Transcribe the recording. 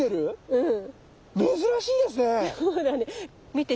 うん。